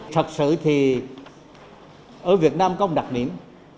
thật sự thì ở việt nam có một đặc điểm